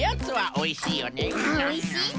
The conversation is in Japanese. おいしいね。